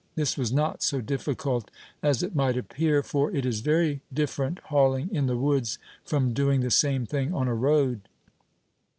This was not so difficult as it might appear; for it is very different hauling in the woods from doing the same thing on a road.